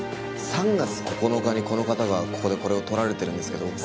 ３月９日にこの方がここでこれを撮られているんですけど。